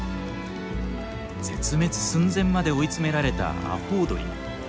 絶滅寸前まで追い詰められたアホウドリ。